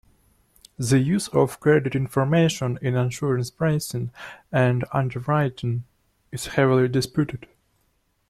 The use of credit information in insurance pricing and underwriting is heavily disputed.